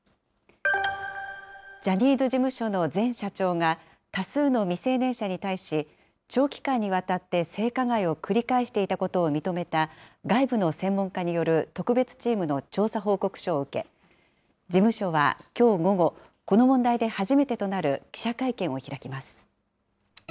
ジャニーズ事務所の前社長が、多数の未成年者に対し、長期間にわたって性加害を繰り返していたことを認めた、外部の専門家による特別チームの調査報告書を受け、事務所はきょう午後、この問題で初めてとなる記者会見を開きます。